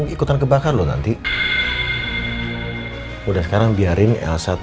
gue akan balas